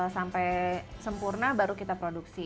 sampai sempurna baru kita produksi